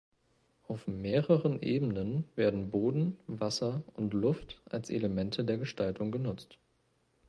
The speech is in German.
Auf mehreren Ebenen werden Boden, Wasser und Luft als Elemente der Gestaltung genutzt.